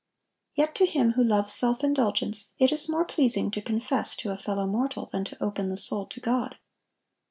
Yet to him who loves self indulgence, it is more pleasing to confess to a fellow mortal than to open the soul to God.